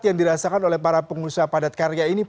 yang dirasakan oleh para pengusaha padat karya ini